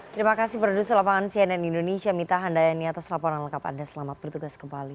terima kasih produser lapangan cnn indonesia mita handayani atas laporan lengkap anda selamat bertugas kembali